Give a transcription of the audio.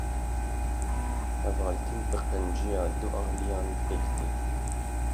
Hevaltî bi qenciya du aliyan pêk te.